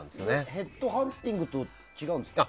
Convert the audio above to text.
ヘッドハンディングとは違うんですか？